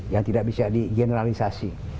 yang tidak bisa digeneralisasi